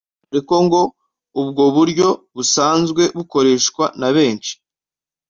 dore ko ngo ubwo buryo busanzwe bukoreshwa na benshi